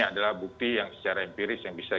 adalah bukti yang secara empiris yang bisa